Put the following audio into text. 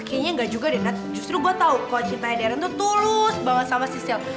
kayaknya enggak juga deh nat justru gue tau kalau cintanya darren tuh tulus banget sama sisil